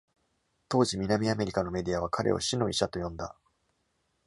当時、南アメリカのメディアは彼を「死の医者」と呼んだ。